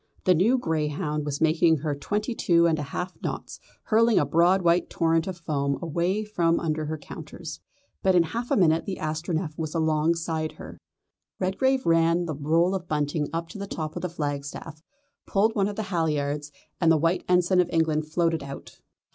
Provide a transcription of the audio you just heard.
The new greyhound was making her twenty two and a half knots, hurling a broad white torrent of foam away from under her counters. But in half a minute the Astronef was alongside her. Redgrave ran the roll of bunting up to the top of the flagstaff, pulled one of the halliards, and the White Ensign of England floated out.